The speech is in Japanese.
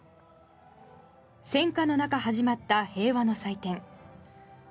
戦渦の中始まった平和の祭典。